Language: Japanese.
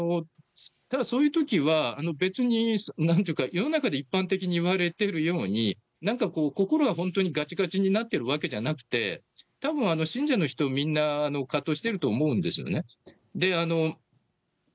ただ、そういうときは別になんていうか、世の中で一般的にいわれているように、なんかこう、心が本当にがちがちになってるわけじゃなくて、たぶん、信者の人みんな葛藤していると思うんですね。